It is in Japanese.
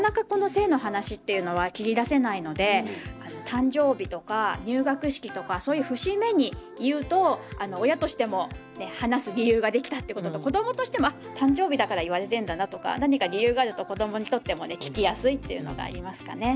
誕生日とか入学式とかそういう節目に言うと親としても話す理由ができたってことと子どもとしてもあ誕生日だから言われてんだなとか何か理由があると子どもにとってもね聞きやすいというのがありますかね。